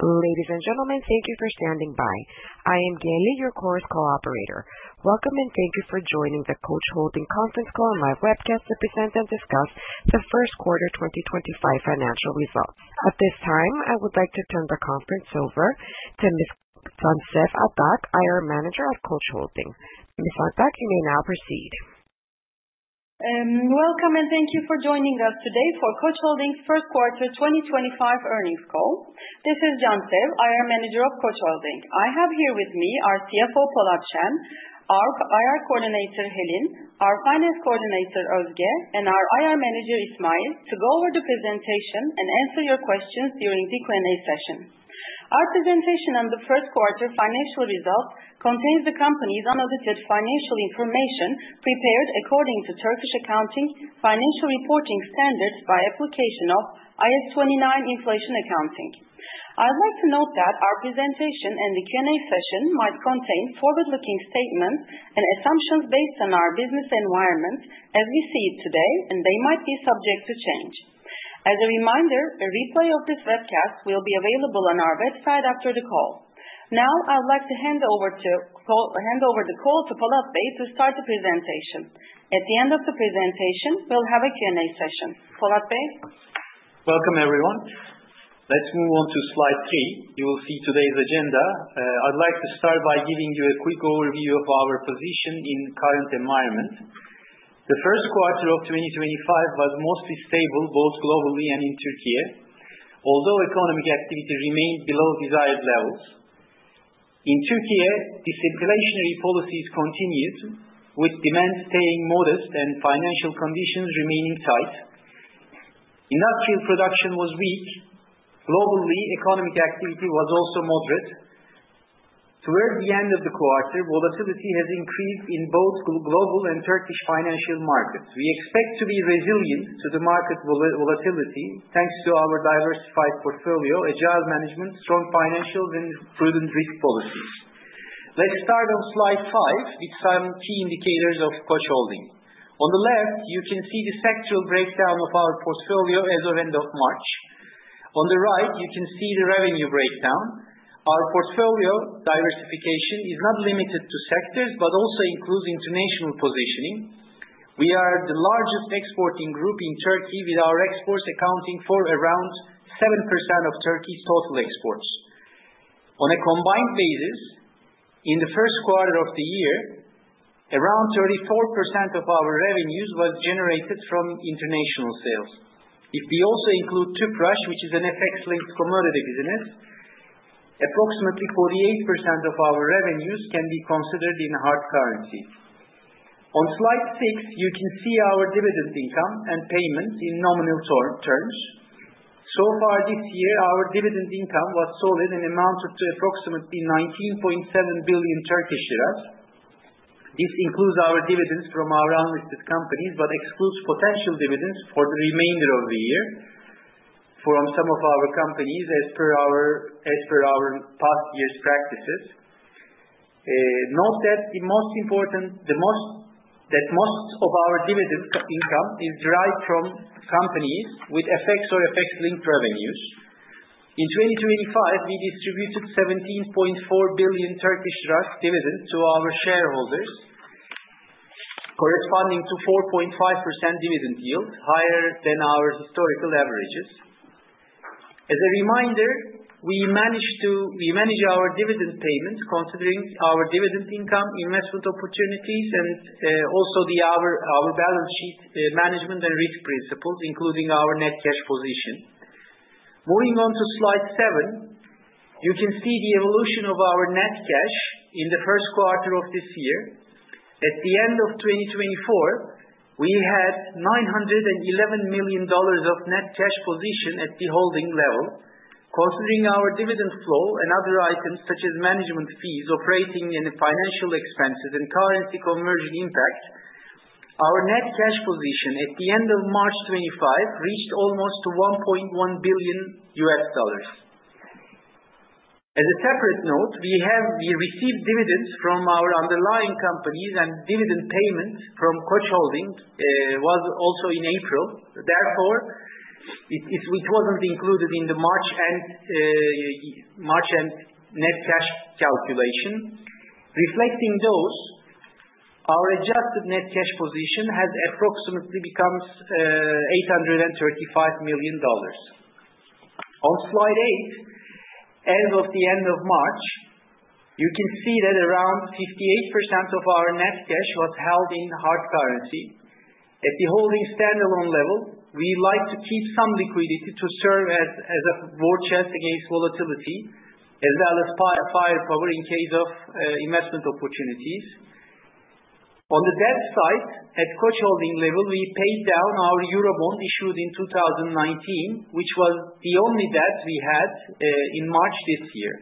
Ladies and gentlemen, thank you for standing by. I am Gayle, your conference operator. Welcome and thank you for joining the Koç Holding conference call and live webcast to present and discuss the first quarter 2025 financial results. At this time, I would like to turn the conference over to Ms. Cansel Durak, IR Manager at Koç Holding. Ms. Cansel Durak, you may now proceed. Welcome and thank you for joining us today for Koç Holding's first quarter 2025 earnings call. This is Cansel, IR Manager of Koç Holding. I have here with me our CFO Polat Şen, our IR Coordinator Helin, our Finance Coordinator Özge, and our IR Manager İsmail to go over the presentation and answer your questions during the Q&A session. Our presentation on the first quarter financial results contains the company's unaudited financial information prepared according to Turkish accounting financial reporting standards by application of IAS 29 inflation accounting. I would like to note that our presentation and the Q&A session might contain forward-looking statements and assumptions based on our business environment as we see it today, and they might be subject to change. As a reminder, a replay of this webcast will be available on our website after the call. Now, I would like to hand over the call to Polat Şen to start the presentation. At the end of the presentation, we'll have a Q&A session. Polat Şen? Welcome, everyone. Let's move on to slide three. You will see today's agenda. I'd like to start by giving you a quick overview of our position in the current environment. The first quarter of 2025 was mostly stable both globally and in Türkiye, although economic activity remained below desired levels. In Türkiye, disinflationary policies continued, with demand staying modest and financial conditions remaining tight. Industrial production was weak. Globally, economic activity was also moderate. Towards the end of the quarter, volatility has increased in both global and Turkish financial markets. We expect to be resilient to the market volatility thanks to our diversified portfolio, agile management, strong financials, and prudent risk policies. Let's start on slide five with some key indicators of Koç Holding. On the left, you can see the sectoral breakdown of our portfolio as of end of March. On the right, you can see the revenue breakdown. Our portfolio diversification is not limited to sectors but also includes international positioning. We are the largest exporting group in Turkey, with our exports accounting for around 7% of Turkey's total exports. On a combined basis, in the first quarter of the year, around 34% of our revenues were generated from international sales. If we also include Tüpraş, which is an FX-linked commodity business, approximately 48% of our revenues can be considered in hard currencies. On slide six, you can see our dividend income and payments in nominal terms. So far this year, our dividend income was solid and amounted to approximately 19.7 billion Turkish lira. This includes our dividends from our unlisted companies but excludes potential dividends for the remainder of the year from some of our companies as per our past year's practices. Note that the most important is that most of our dividend income is derived from companies with FX or FX-linked revenues. In 2025, we distributed 17.4 billion TRY dividends to our shareholders, corresponding to 4.5% dividend yield, higher than our historical averages. As a reminder, we manage our dividend payments considering our dividend income, investment opportunities, and also our balance sheet management and risk principles, including our net cash position. Moving on to slide seven, you can see the evolution of our net cash in the first quarter of this year. At the end of 2024, we had $911 million of net cash position at the holding level. Considering our dividend flow and other items such as management fees, operating and financial expenses, and currency conversion impacts, our net cash position at the end of March 2025 reached almost $1.1 billion. As a separate note, we received dividends from our underlying companies, and dividend payments from Koç Holding was also in April. Therefore, it wasn't included in the March and net cash calculation. Reflecting those, our adjusted net cash position has approximately become $835 million. On slide eight, as of the end of March, you can see that around 58% of our net cash was held in hard currency. At the holding standalone level, we like to keep some liquidity to serve as a war chest against volatility as well as firepower in case of investment opportunities. On the debt side, at Koç Holding level, we paid down our Eurobond issued in 2019, which was the only debt we had in March this year.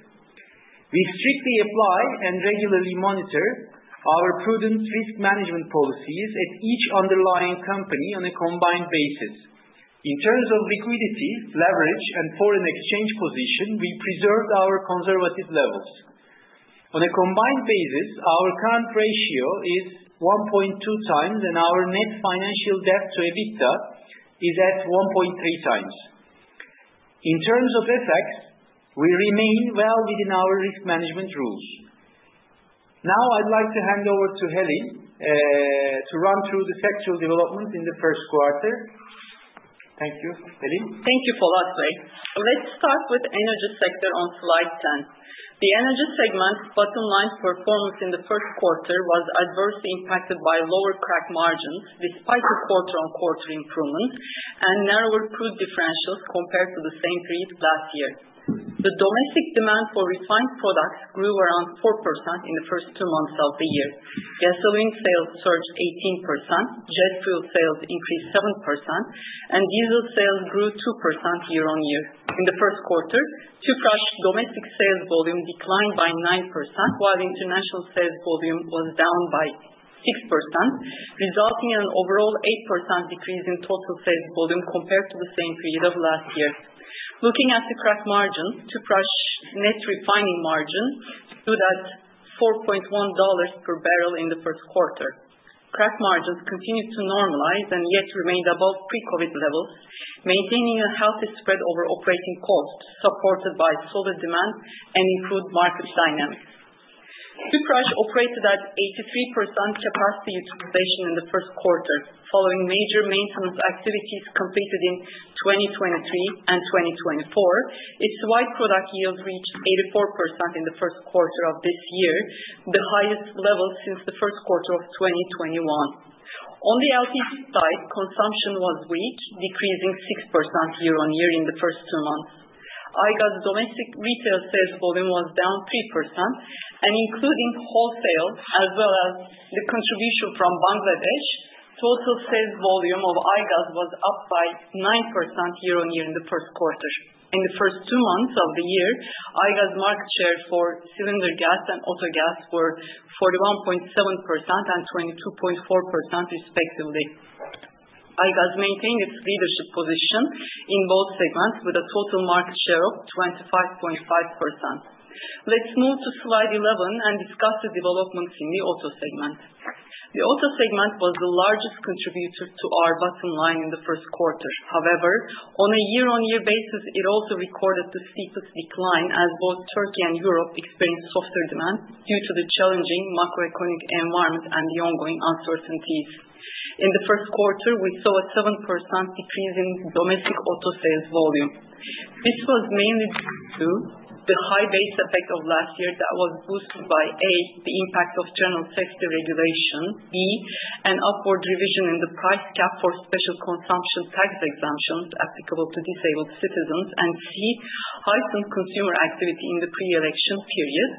We strictly apply and regularly monitor our prudent risk management policies at each underlying company on a combined basis. In terms of liquidity, leverage, and foreign exchange position, we preserved our conservative levels. On a combined basis, our current ratio is 1.2 times, and our net financial debt to EBITDA is at 1.3 times. In terms of FX, we remain well within our risk management rules. Now, I'd like to hand over to Helin to run through the sectoral developments in the first quarter. Thank you, Helin. Thank you, Polat Şen. Let's start with the energy sector on slide ten. The energy segment's bottom-line performance in the first quarter was adversely impacted by lower crack margins despite the quarter-on-quarter improvements and narrower crude differentials compared to the same period last year. The domestic demand for refined products grew around 4% in the first two months of the year. Gasoline sales surged 18%, jet fuel sales increased 7%, and diesel sales grew 2% year-on-year. In the first quarter, Tüpraş's domestic sales volume declined by 9%, while international sales volume was down by 6%, resulting in an overall 8% decrease in total sales volume compared to the same period of last year. Looking at the crack margins, Tüpraş's net refining margin stood at $4.1 per barrel in the first quarter. Crack margins continued to normalize and yet remained above pre-COVID levels, maintaining a healthy spread over operating costs supported by solid demand and improved market dynamics. Tüpraş operated at 83% capacity utilization in the first quarter. Following major maintenance activities completed in 2023 and 2024, its wide product yield reached 84% in the first quarter of this year, the highest level since the first quarter of 2021. On the LPG side, consumption was weak, decreasing 6% year-on-year in the first two months. Aygaz's domestic retail sales volume was down 3%, and including wholesale as well as the contribution from Bangladesh, total sales volume of Aygaz was up by 9% year-on-year in the first quarter. In the first two months of the year, Aygaz's market share for cylinder gas and auto gas were 41.7% and 22.4%, respectively. Aygaz maintained its leadership position in both segments with a total market share of 25.5%. Let's move to slide 11 and discuss the developments in the auto segment. The auto segment was the largest contributor to our bottom line in the first quarter. However, on a year-on-year basis, it also recorded the steepest decline as both Türkiye and Europe experienced softer demand due to the challenging macroeconomic environment and the ongoing uncertainties. In the first quarter, we saw a 7% decrease in domestic auto sales volume. This was mainly due to the high base effect of last year that was boosted by, A, the impact of General Safety Regulation, B, an upward revision in the price cap for Special Consumption Tax exemptions applicable to disabled citizens, and C, heightened consumer activity in the pre-election period.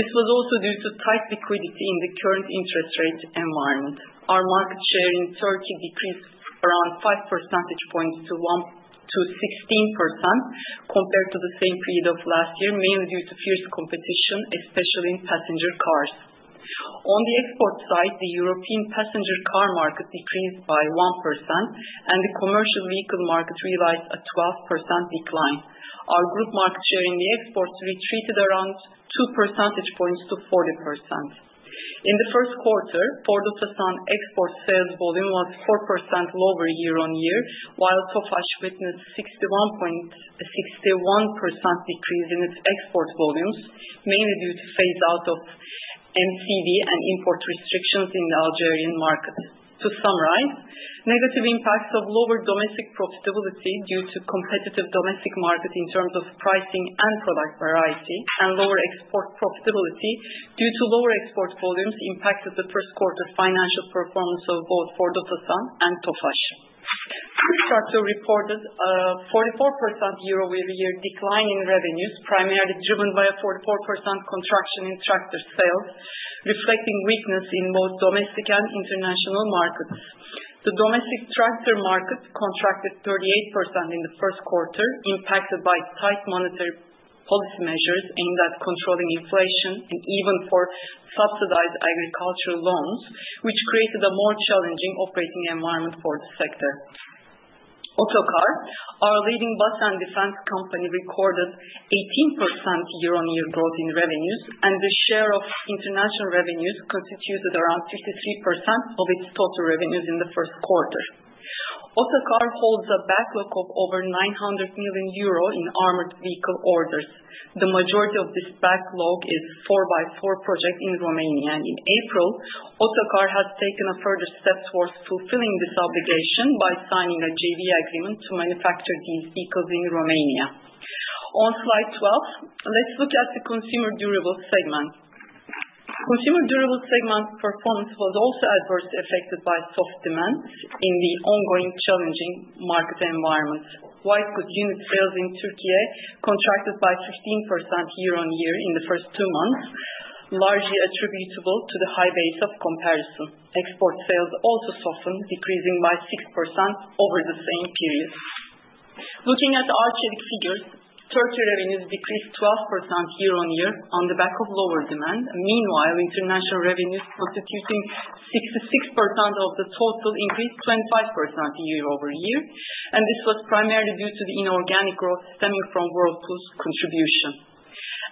This was also due to tight liquidity in the current interest rate environment. Our market share in Türkiye decreased around 5 percentage points to 16% compared to the same period of last year, mainly due to fierce competition, especially in passenger cars. On the export side, the European passenger car market decreased by 1%, and the commercial vehicle market realized a 12% decline. Our group market share in the exports retreated around 2 percentage points to 40%. In the first quarter, Ford Otosan export sales volume was 4% lower year-on-year, while Tofaş witnessed a 61% decrease in its export volumes, mainly due to phase-out of MCV and import restrictions in the Algerian market. To summarize, negative impacts of lower domestic profitability due to competitive domestic market in terms of pricing and product variety, and lower export profitability due to lower export volumes impacted the first quarter financial performance of both Ford Otosan and Tofaş. Türk Traktör reported a 44% year-over-year decline in revenues, primarily driven by a 44% contraction in tractor sales, reflecting weakness in both domestic and international markets. The domestic tractor market contracted 38% in the first quarter, impacted by tight monetary policy measures aimed at controlling inflation and even for subsidized agricultural loans, which created a more challenging operating environment for the sector. Otokar, our leading bus and defense company, recorded 18% year-on-year growth in revenues, and the share of international revenues constituted around 53% of its total revenues in the first quarter. Otokar holds a backlog of over €900 million in armored vehicle orders. The majority of this backlog is 4x4 project in Romania. In April, Otokar has taken a further step towards fulfilling this obligation by signing a JV agreement to manufacture these vehicles in Romania. On slide 12, let's look at the consumer durable segment. Consumer durable segment performance was also adversely affected by soft demand in the ongoing challenging market environment. White goods unit sales in Türkiye contracted by 15% year-on-year in the first two months, largely attributable to the high base of comparison. Export sales also softened, decreasing by 6% over the same period. Looking at Arçelik figures, Türkiye revenues decreased 12% year-on-year on the back of lower demand. Meanwhile, international revenues constituting 66% of the total increased 25% year-over-year, and this was primarily due to the inorganic growth stemming from Whirlpool contribution.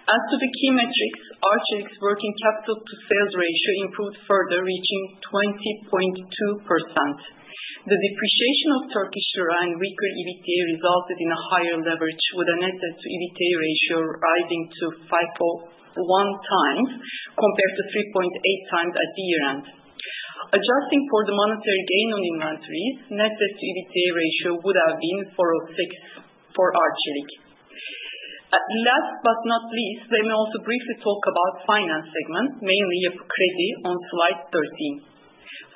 As to the key metrics, Arçelik's working capital to sales ratio improved further, reaching 20.2%. The depreciation of Turkish lira and weaker EBITDA resulted in a higher leverage, with a net debt to EBITDA ratio rising to 5.1 times compared to 3.8 times at the year-end. Adjusting for the monetary gain on inventories, net debt to EBITDA ratio would have been 4.06 for Arçelik. Last but not least, let me also briefly talk about the finance segment, mainly Yapı Kredi on slide 13.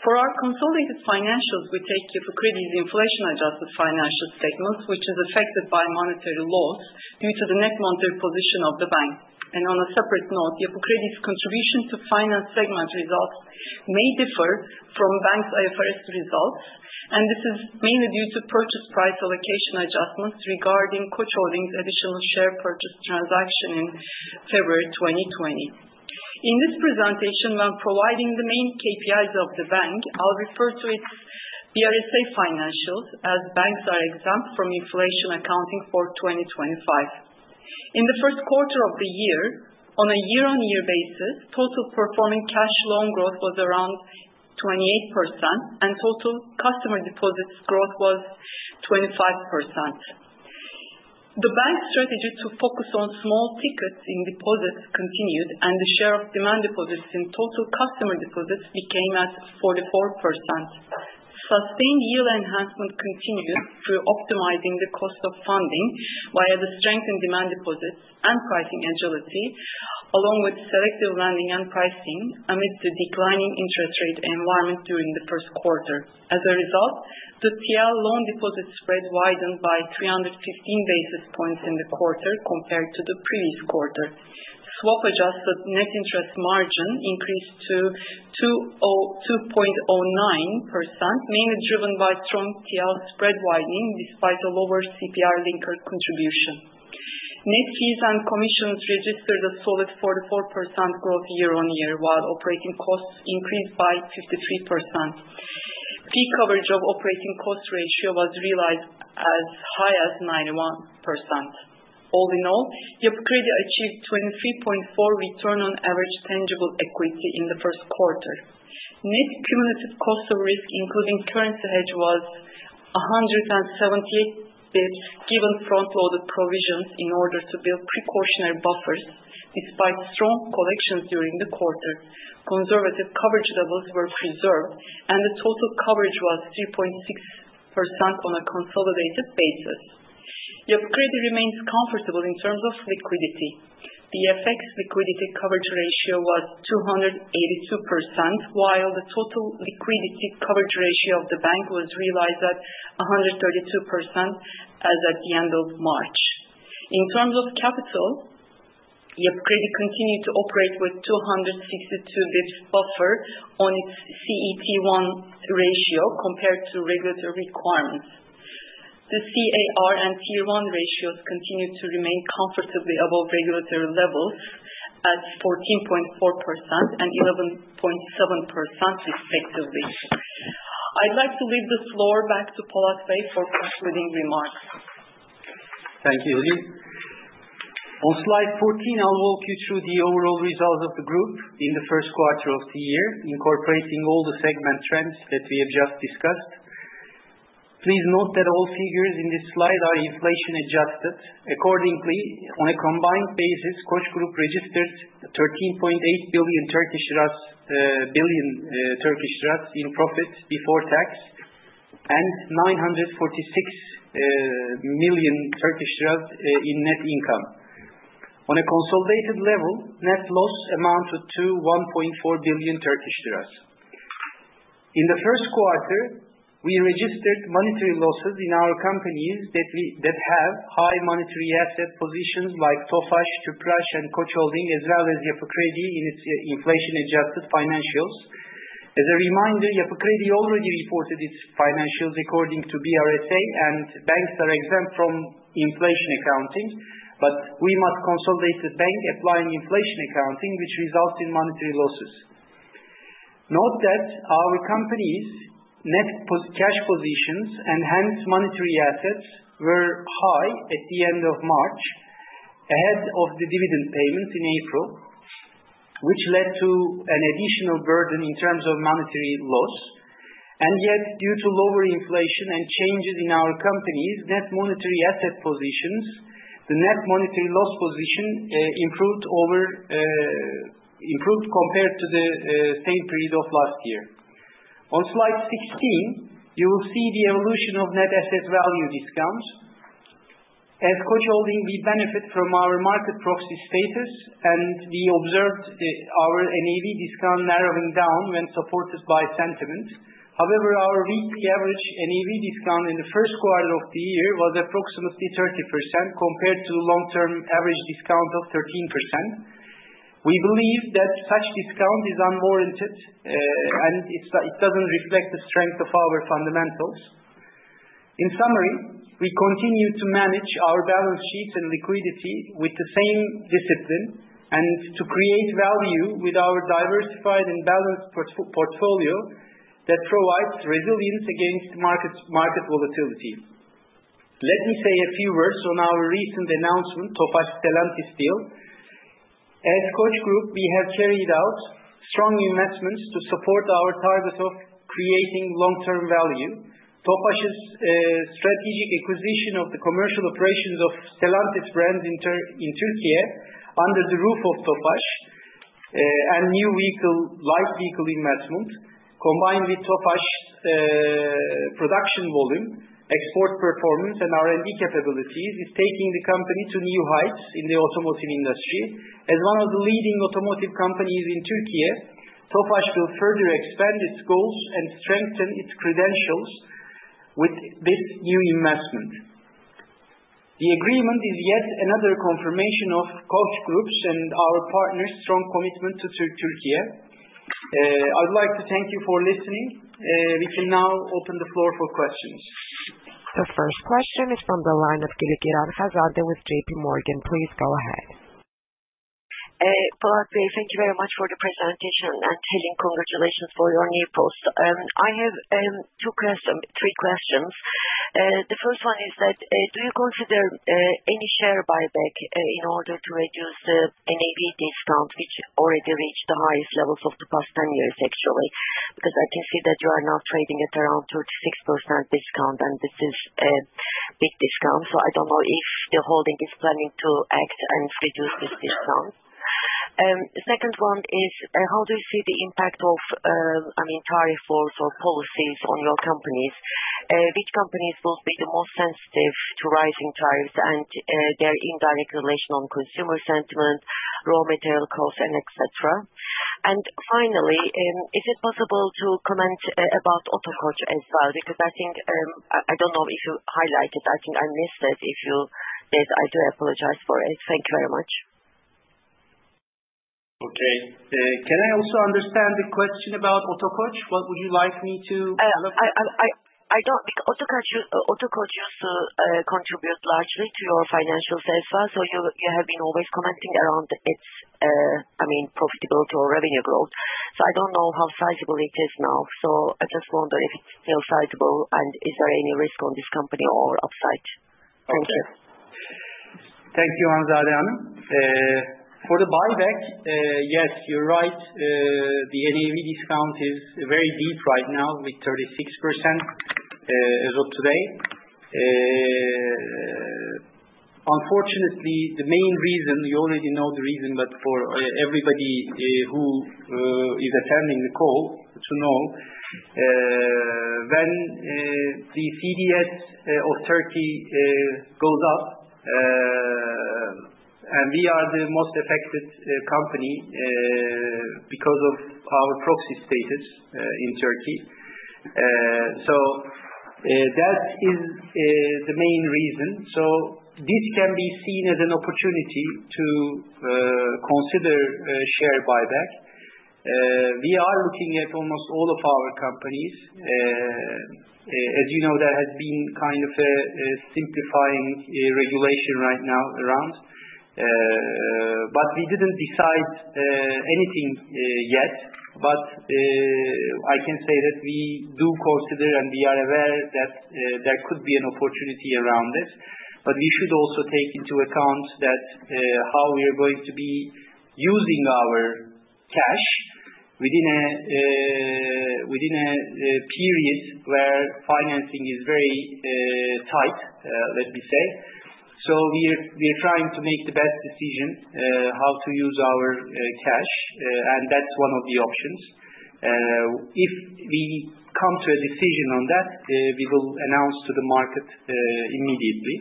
For our consolidated financials, we take Yapı Kredi's inflation-adjusted financial segment, which is affected by monetary loss due to the net monetary position of the bank. And on a separate note, Yapı Kredi's contribution to the finance segment results may differ from banks' IFRS results, and this is mainly due to purchase price allocation adjustments regarding Koç Holding's additional share purchase transaction in February 2020. In this presentation, when providing the main KPIs of the bank, I'll refer to its BRSA financials as banks are exempt from inflation accounting for 2025. In the first quarter of the year, on a year-on-year basis, total performing cash loan growth was around 28%, and total customer deposits growth was 25%. The bank's strategy to focus on small tickets in deposits continued, and the share of demand deposits in total customer deposits became at 44%. Sustained yield enhancement continued through optimizing the cost of funding via the strength in demand deposits and pricing agility, along with selective lending and pricing amid the declining interest rate environment during the first quarter. As a result, the TL loan deposit spread widened by 315 basis points in the quarter compared to the previous quarter. Swap-adjusted net interest margin increased to 2.09%, mainly driven by strong TL spread widening despite a lower CPI linker contribution. Net fees and commissions registered a solid 44% growth year-on-year, while operating costs increased by 53%. Fee coverage of operating cost ratio was realized as high as 91%. All in all, Yapı Kredi achieved 23.4% return on average tangible equity in the first quarter. Net cumulative cost of risk, including currency hedge, was 178 basis points given front-loaded provisions in order to build precautionary buffers despite strong collections during the quarter. Conservative coverage levels were preserved, and the total coverage was 3.6% on a consolidated basis. Yapı Kredi remains comfortable in terms of liquidity. The FX liquidity coverage ratio was 282%, while the total liquidity coverage ratio of the bank was realized at 132% as at the end of March. In terms of capital, Yapı Kredi continued to operate with 262 basis points buffer on its CET1 ratio compared to regulatory requirements. The CAR and Tier 1 ratios continued to remain comfortably above regulatory levels at 14.4% and 11.7%, respectively. I'd like to leave the floor back to Polat Şen for concluding remarks. Thank you, Helin. On slide 14, I'll walk you through the overall results of the group in the first quarter of the year, incorporating all the segment trends that we have just discussed. Please note that all figures in this slide are inflation-adjusted. Accordingly, on a combined basis, Koç Group registered 13.8 billion TRY in profit before tax and 946 million TRY in net income. On a consolidated level, net loss amounted to 1.4 billion TRY. In the first quarter, we registered monetary losses in our companies that have high monetary asset positions like Tofaş, Tüpraş, and Koç Holding, as well as Yapı Kredi in its inflation-adjusted financials. As a reminder, Yapı Kredi already reported its financials according to BRSA, and banks are exempt from inflation accounting, but we must consolidate the bank applying inflation accounting, which results in monetary losses. Note that our company's net cash positions and hence monetary assets were high at the end of March ahead of the dividend payments in April, which led to an additional burden in terms of monetary loss, and yet, due to lower inflation and changes in our company's net monetary asset positions, the net monetary loss position improved compared to the same period of last year. On slide 16, you will see the evolution of net asset value discounts. As Koç Holding, we benefit from our market proxy status, and we observed our NAV discount narrowing down when supported by sentiment. However, our weekly average NAV discount in the first quarter of the year was approximately 30% compared to the long-term average discount of 13%. We believe that such discount is unwarranted, and it doesn't reflect the strength of our fundamentals. In summary, we continue to manage our balance sheets and liquidity with the same discipline and to create value with our diversified and balanced portfolio that provides resilience against market volatility. Let me say a few words on our recent announcement, Tofaş Stellantis deal. As Koç Group, we have carried out strong investments to support our target of creating long-term value. Tofaş's strategic acquisition of the commercial operations of Stellantis brands in Türkiye under the roof of Tofaş and new light vehicle investment, combined with Tofaş's production volume, export performance, and R&D capabilities, is taking the company to new heights in the automotive industry. As one of the leading automotive companies in Türkiye, Tofaş will further expand its goals and strengthen its credentials with this new investment. The agreement is yet another confirmation of Koç Group's and our partners' strong commitment to Türkiye. I would like to thank you for listening. We can now open the floor for questions. The first question is from the line of Hanzade Kılıçkıran with JP Morgan. Please go ahead. Polat Şen, thank you very much for the presentation, and Helin, congratulations for your new post. I have three questions. The first one is that, do you consider any share buyback in order to reduce the NAV discount, which already reached the highest levels of the past 10 years, actually? Because I can see that you are now trading at around 36% discount, and this is a big discount. So I don't know if the holding is planning to act and reduce this discount. The second one is, how do you see the impact of tariff wars or policies on your companies? Which companies will be the most sensitive to rising tariffs and their indirect relation on consumer sentiment, raw material costs, and etc.? And finally, is it possible to comment about Otokoç as well? Because I don't know if you highlighted; I think I missed it. If you did, I do apologize for it. Thank you very much. Okay. Can I also understand the question about Otokoç? What would you like me to look at? I don't. Otokoç used to contribute largely to your financials as well, so you have been always commenting around its profitability or revenue growth. So I don't know how sizable it is now. So I just wonder if it's still sizable, and is there any risk on this company or upside? Thank you. Thank you, Hanzade Hanım. For the buyback, yes, you're right. The NAV discount is very deep right now with 36% as of today. Unfortunately, the main reason, you already know the reason, but for everybody who is attending the call to know, when the CDS of Turkey goes up, and we are the most affected company because of our proxy status in Turkey. So that is the main reason. So this can be seen as an opportunity to consider share buyback. We are looking at almost all of our companies. As you know, there has been kind of a simplifying regulation right now around, but we didn't decide anything yet. But I can say that we do consider, and we are aware that there could be an opportunity around this. But we should also take into account how we are going to be using our cash within a period where financing is very tight, let me say. So we are trying to make the best decision how to use our cash, and that's one of the options. If we come to a decision on that, we will announce to the market immediately.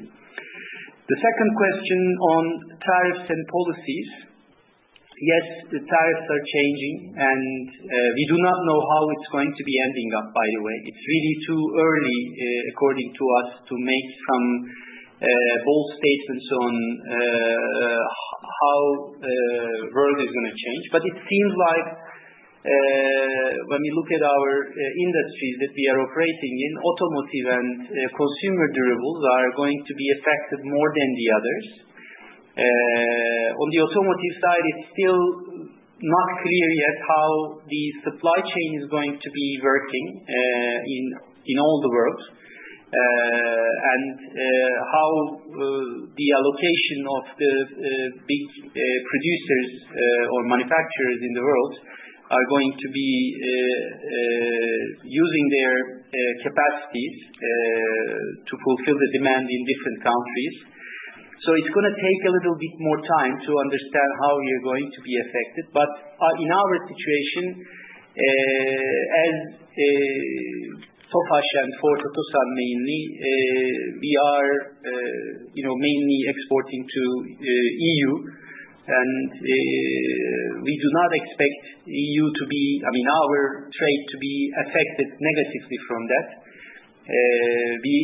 The second question on tariffs and policies, yes, the tariffs are changing, and we do not know how it's going to be ending up, by the way. It's really too early, according to us, to make some bold statements on how the world is going to change. But it seems like when we look at our industries that we are operating in, automotive and consumer durables are going to be affected more than the others. On the automotive side, it's still not clear yet how the supply chain is going to be working in all the world and how the allocation of the big producers or manufacturers in the world are going to be using their capacities to fulfill the demand in different countries. So it's going to take a little bit more time to understand how we are going to be affected. But in our situation, as Tofaş and Ford Otosan mainly, we are mainly exporting to the EU, and we do not expect the EU to be, I mean, our trade to be affected negatively from that. The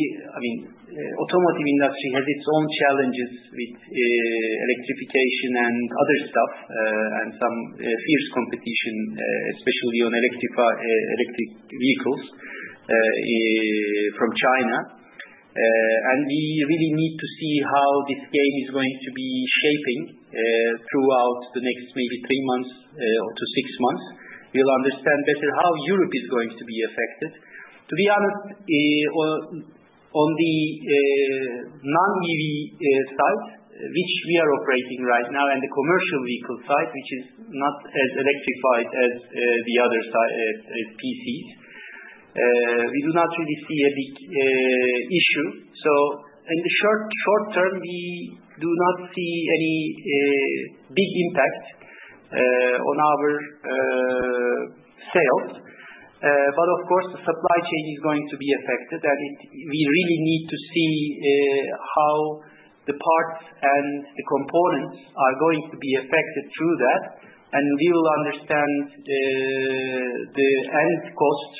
automotive industry has its own challenges with electrification and other stuff and some fierce competition, especially on electric vehicles from China. And we really need to see how this game is going to be shaping throughout the next maybe three months to six months. We'll understand better how Europe is going to be affected. To be honest, on the non-EV side, which we are operating right now, and the commercial vehicle side, which is not as electrified as the other PCs, we do not really see a big issue. So in the short term, we do not see any big impact on our sales. But of course, the supply chain is going to be affected, and we really need to see how the parts and the components are going to be affected through that. And we will understand the end cost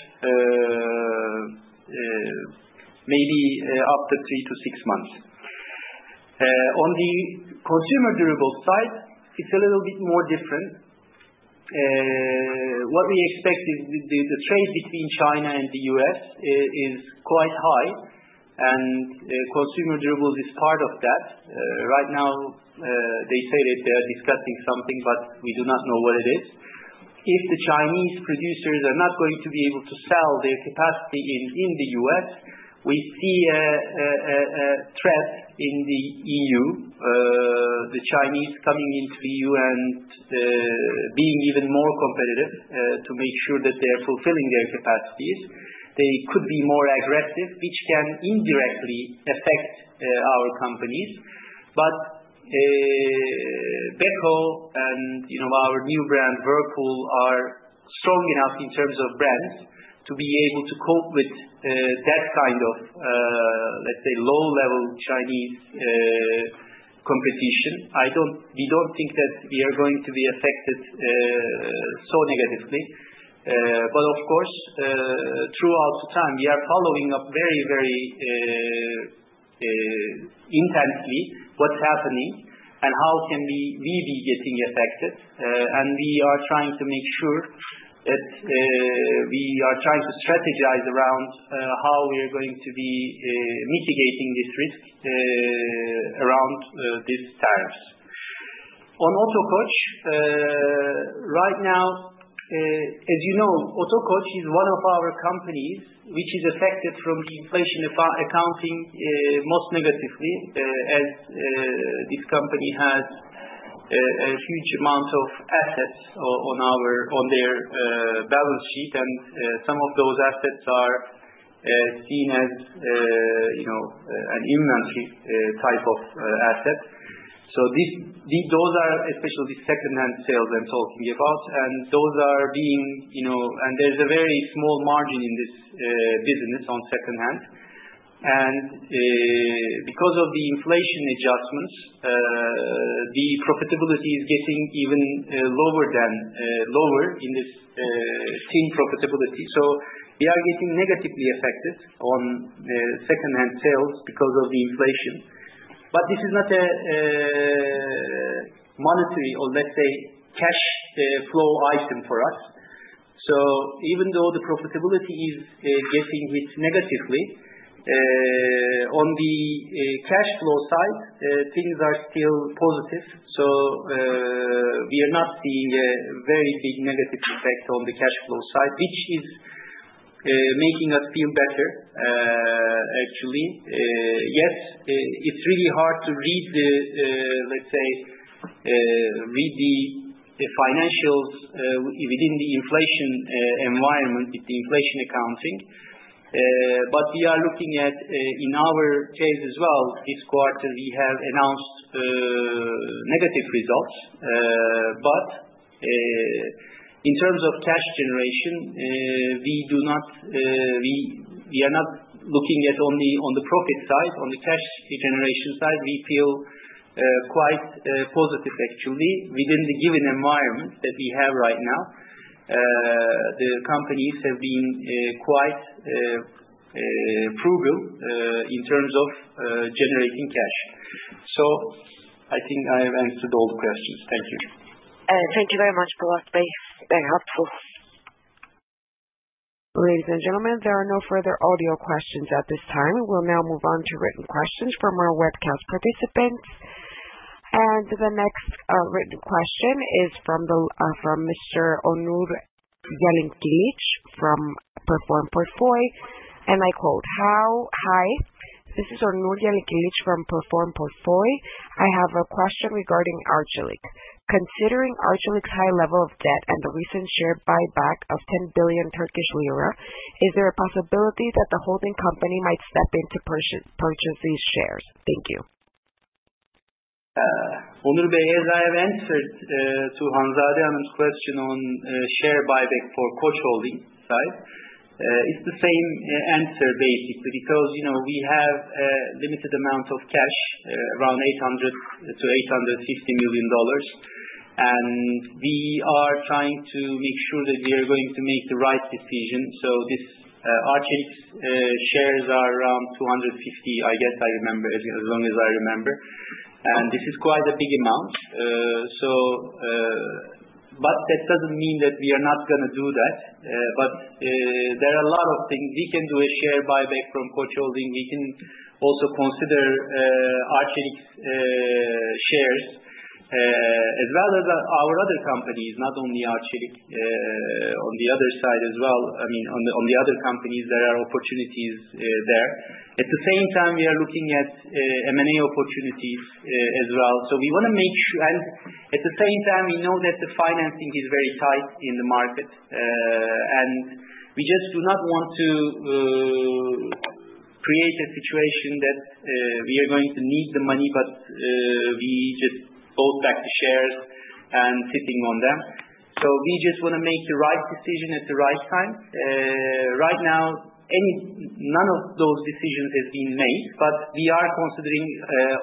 maybe after three to six months. On the consumer durables side, it's a little bit more different. What we expect is the trade between China and the U.S. is quite high, and consumer durables is part of that. Right now, they say that they are discussing something, but we do not know what it is. If the Chinese producers are not going to be able to sell their capacity in the US, we see a threat in the EU, the Chinese coming into the EU and being even more competitive to make sure that they are fulfilling their capacities. They could be more aggressive, which can indirectly affect our companies. But Beko and our new brand, Whirlpool, are strong enough in terms of brands to be able to cope with that kind of, let's say, low-level Chinese competition. We don't think that we are going to be affected so negatively. But of course, throughout the time, we are following up very, very intensely what's happening and how can we be getting affected. And we are trying to make sure that we are trying to strategize around how we are going to be mitigating this risk around these tariffs. On Otokoç, right now, as you know, Otokoç is one of our companies which is affected from the inflation accounting most negatively, as this company has a huge amount of assets on their balance sheet, and some of those assets are seen as an inventory type of asset. So those are, especially the second-hand sales I'm talking about, and those are being, and there's a very small margin in this business on second-hand. And because of the inflation adjustments, the profitability is getting even lower in this thin profitability. So we are getting negatively affected on second-hand sales because of the inflation. But this is not a monetary or, let's say, cash flow item for us. Even though the profitability is getting hit negatively, on the cash flow side, things are still positive. We are not seeing a very big negative effect on the cash flow side, which is making us feel better, actually. Yes, it's really hard to read the, let's say, financials within the inflation environment with the inflation accounting. But we are looking at, in our case as well, this quarter, we have announced negative results. But in terms of cash generation, we are not looking at only on the profit side. On the cash generation side, we feel quite positive, actually, within the given environment that we have right now. The companies have been quite frugal in terms of generating cash. I think I've answered all the questions. Thank you. Thank you very much, Polat Şen. Very helpful. Ladies and gentlemen, there are no further audio questions at this time. We'll now move on to written questions from our webcast participants. And the next written question is from Mr. Onur Yalınkılıç from Perform Portföy. And I quote, "Hi. This is Onur Yalınkılıç from Perform Portföy. I have a question regarding Arçelik. Considering Arçelik's high level of debt and the recent share buyback of TL 10 billion, is there a possibility that the holding company might step in to purchase these shares? Thank you. Onur Şen, as I have answered to Hanzade Hanım's question on share buyback for Koç Holding side, it's the same answer, basically, because we have a limited amount of cash, around $800 million-$850 million, and we are trying to make sure that we are going to make the right decision. So Arçelik's shares are around 250, I guess I remember, as long as I remember. And this is quite a big amount. But that doesn't mean that we are not going to do that. But there are a lot of things we can do a share buyback from Koç Holding. We can also consider Arçelik's shares as well as our other companies, not only Arçelik. On the other side as well, I mean, on the other companies, there are opportunities there. At the same time, we are looking at M&A opportunities as well. So we want to make sure, and at the same time, we know that the financing is very tight in the market. And we just do not want to create a situation that we are going to need the money, but we just bought back the shares and sitting on them. So we just want to make the right decision at the right time. Right now, none of those decisions has been made, but we are considering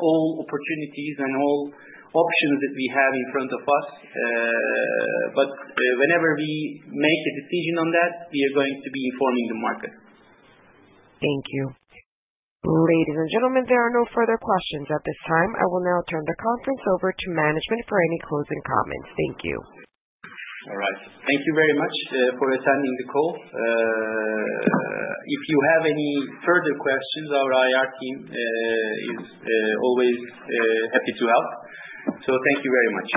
all opportunities and all options that we have in front of us. But whenever we make a decision on that, we are going to be informing the market. Thank you. Ladies and gentlemen, there are no further questions at this time. I will now turn the conference over to management for any closing comments. Thank you. All right. Thank you very much for attending the call. If you have any further questions, our IR team is always happy to help. So thank you very much.